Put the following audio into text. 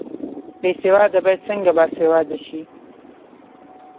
بې سواده باید څنګه باسواده شي؟